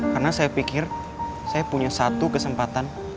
karena saya pikir saya punya satu kesempatan